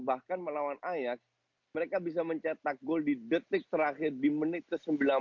bahkan melawan ayak mereka bisa mencetak gol di detik terakhir di menit ke sembilan belas